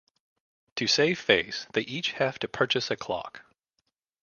To save face, they each have to purchase a clock.